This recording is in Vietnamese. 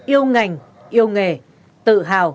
yêu ngành yêu nghề tự hào